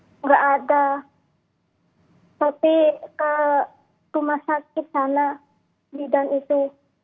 tidak ada tapi ke rumah sakit sana bidan itu